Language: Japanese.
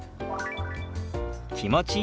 「気持ちいい」。